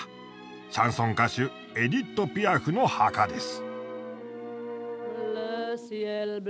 シャンソン歌手エディット・ピアフの墓です。